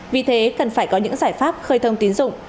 vì thế cần phải có những giải pháp khơi thông tín dụng